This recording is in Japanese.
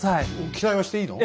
期待はしていいの？